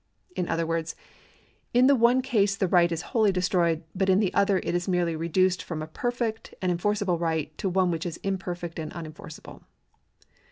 In other words, in the one case the right is wholly destroyed, but in the other it is merely reduced from a perfect and enforceable right to one which is imperfect and unenforceable.